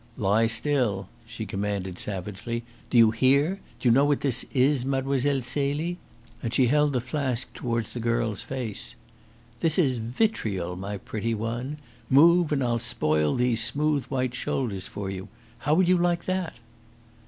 "Lie still," she commanded savagely. "Do you hear? Do you know what this is, Mlle. Celie?" And she held the flask towards the girl's face. "This is vitriol, my pretty one. Move, and I'll spoil these smooth white shoulders for you. How would you like that?"